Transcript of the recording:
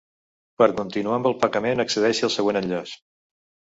Per continuar amb el pagament accedeixi al següent enllaç:.